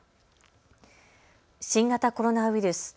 新型コロナウイルス。